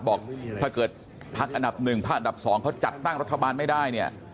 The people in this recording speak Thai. บอกถ้าเกิดพักอันดับ๑พักอันดับ๒เขาจัดตั้งรัฐบาลไม่ได้เนี่ย